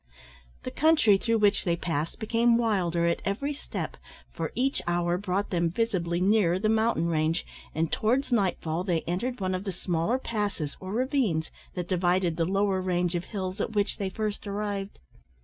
The country through which they passed became wilder at every step, for each hour brought them visibly nearer the mountain range, and towards night fall they entered one of the smaller passes or ravines that divided the lower range of hills at which they first arrived.